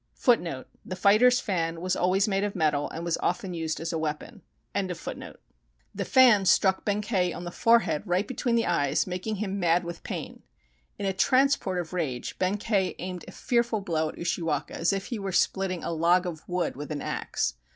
The * The fighter's fan was always made of metal and was often used as a weapon. 310 THE STORY OF YOSHITSUNE fan struck Benkei on the forehead right between the eyes, making him mad with pain. In a transport of rage Benkei aimed a fearful blow at Ushiwaka, as if he were splitting a log of wood with an axe.